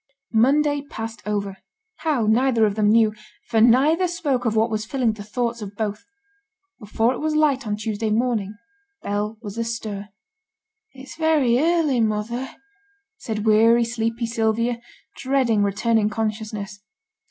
Monday passed over how, neither of them knew, for neither spoke of what was filling the thoughts of both. Before it was light on Tuesday morning, Bell was astir. 'It's very early, mother,' said weary, sleepy Sylvia, dreading returning consciousness.